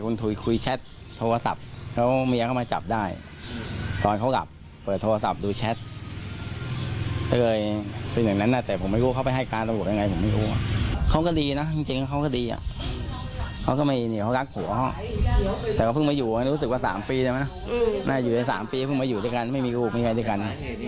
น่าจะอยู่ใน๓ปีเพิ่งมาอยู่ด้วยกันไม่มีครูไม่มีใครด้วยกัน